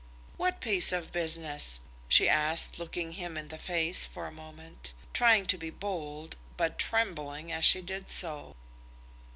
"What piece of business?" she asked, looking him in the face for a moment, trying to be bold, but trembling as she did so.